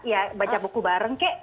ya baca buku bareng kek